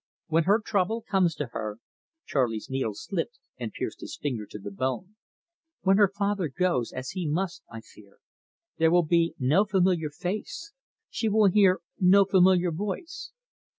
When her trouble comes to her" Charley's needle slipped and pierced his finger to the bone "when her father goes, as he must, I fear, there will be no familiar face; she will hear no familiar voice."